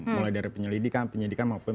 mulai dari penyelidikan penyidikan maupun